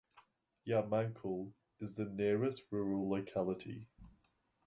Yarmankul is the nearest rural locality.